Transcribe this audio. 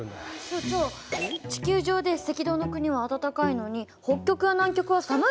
所長地球上で赤道の国は暖かいのに北極や南極は寒いですよね。